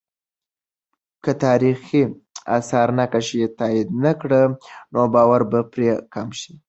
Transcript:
که تاریخي آثار نقش یې تایید نه کړي، نو باور به پرې کم سي.